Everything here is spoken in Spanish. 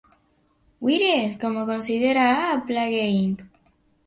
Wired.com considera a" Plague Inc.